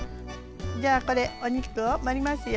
じゃあこれお肉を盛りますよ。